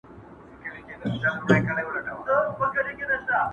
بهرني نظرونه موضوع زياتوي نور